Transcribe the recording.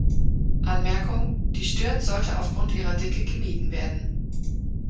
Anmerkung: die Stirn sollte aufgrund ihrer Dicke gemieden werden.